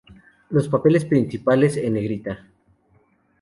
Los papeles principales en negrita